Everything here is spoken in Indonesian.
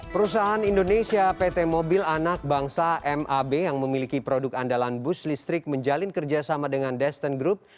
perusahaan indonesia pt mobil anak bangsa mab yang memiliki produk andalan bus listrik menjalin kerjasama dengan desten group